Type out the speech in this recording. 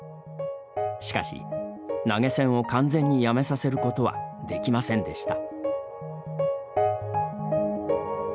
しかし、投げ銭を完全にやめさせることはできませんでした。